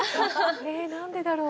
え、なんでだろう？